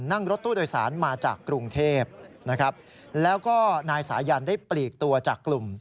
นั่งรถตู้โดยสารมาจากกรุงเทพนะครับแล้วก็นายสายันได้ปลีกตัวจากกลุ่ม